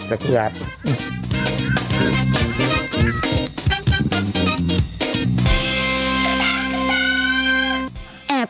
สักครู่ครับ